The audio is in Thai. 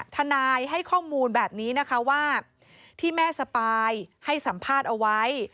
ทนายให้ข้อมูลแบบนี้นะคะว่าที่แม่สปายให้สัมภาษณ์เอาไว้